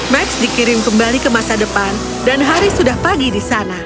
max dikirim kembali ke masa depan dan hari sudah pagi di sana